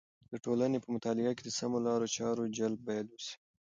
د ټولنې په مطالعه کې د سمو لارو چارو جلب باید وسي.